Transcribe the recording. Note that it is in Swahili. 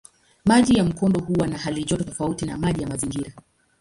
Maji ya mkondo huwa na halijoto tofauti na maji ya mazingira.